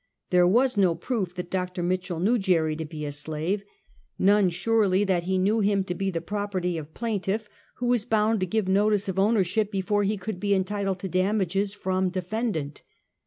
There was no proof that Dr. Mitchell knew Jerry to be a slave, none, surely, that he knew him to be the property of plaintiff, who was bound to give notice of ownership before he could be entitled to damages from defendant.